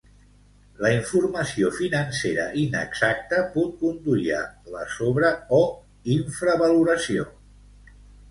La informació financera inexacta pot conduir a la sobre o infravaloració.